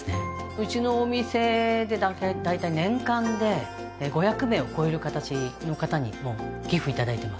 うちのお店で大体年間で５００名を超えるかたちの方に寄付頂いています